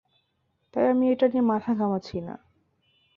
তাই আমি এটা নিয়ে মাথা ঘামাচ্ছি না।